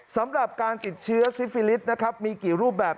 สำหรับการติดเชื้อซิฟิลิสนะครับมีกี่รูปแบบ